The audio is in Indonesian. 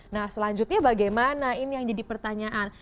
nah selanjutnya bagaimana ini yang jadi pertanyaan